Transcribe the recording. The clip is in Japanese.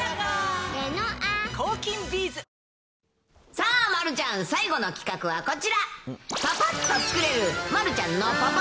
さあ、丸ちゃん、最後の企画はこちら。